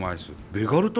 ベガルタ